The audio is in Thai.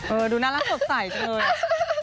เออดูน่ารักสบใสจริง